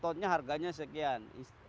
satu tonnya harganya sekian